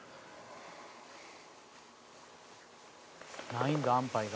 「ないんだ安牌が」